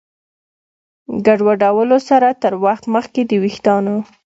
ګډوډولو سره تر وخت مخکې د ویښتانو